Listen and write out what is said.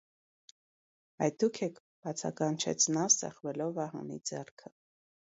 - Այդ դո՞ւք եք,- բացականչեց նա, սեղմելով Վահանի ձեռքը: